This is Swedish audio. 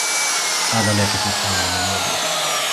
Alla leker fortfarande med lego.